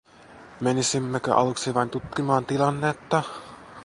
Menisimmekö aluksi vain tutkimaan tilannetta?